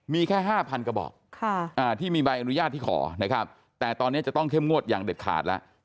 มีแค่๕๐๐กระบอกที่มีใบอนุญาตที่ขอนะครับแต่ตอนนี้จะต้องเข้มงวดอย่างเด็ดขาดแล้ว